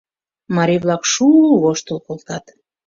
Марий-влак шу-у воштыл колтат.